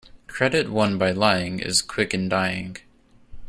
Credit won by lying is quick in dying.